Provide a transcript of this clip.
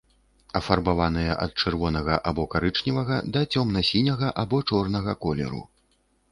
Афарбаваныя ад чырвонага або карычневага да цёмна-сіняга або чорнага колеру.